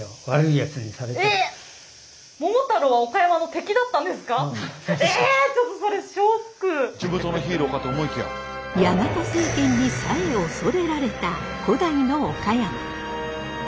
ヤマト政権にさえおそれられた古代の岡山。